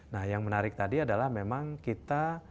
nah yang menarik tadi adalah memang kita